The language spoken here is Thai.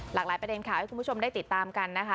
หลากหลายประเด็นข่าวให้คุณผู้ชมได้ติดตามกันนะคะ